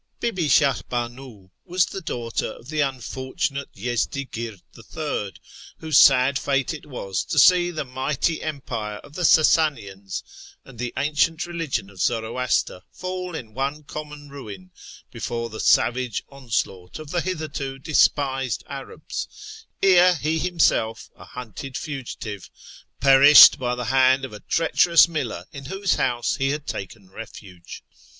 Bi'bf Shahr banu was the daughter of the unfurUnuito Yezdigird III, whose sad fate it was to see the mighty empire of the Sasanians and the ancient religion of Zoroaster fall in one common ruin before the savage onslaught of the hitherto despised Arabs, ere he himself, a liunted fugitive, perished by the hand of a treacherous miller in whose house he had taken refuge.